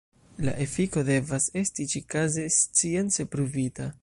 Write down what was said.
La efiko devas esti ĉikaze science pruvita.